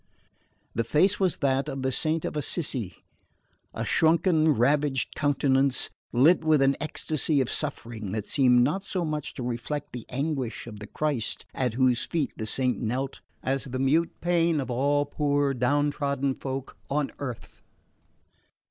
The face was that of the saint of Assisi a sunken ravaged countenance, lit with an ecstasy of suffering that seemed not so much to reflect the anguish of the Christ at whose feet the saint knelt, as the mute pain of all poor down trodden folk on earth.